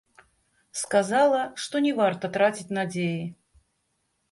Сказала, што не варта траціць надзеі.